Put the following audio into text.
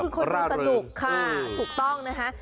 เพราะคือคนท่าสะดุกค่ะถูกต้องนะฮะ